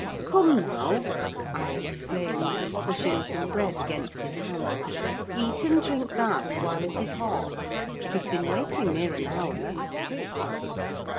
"Come now," I exclaimed, pushing some bread against his hand, "eat and drink that, while it is hot: it has been waiting near an hour."